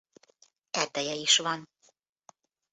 Erdeje is van.